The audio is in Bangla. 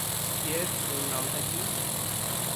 কিয়েত, ওর নামটা কী?